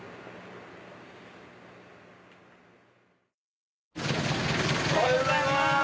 おはようございます。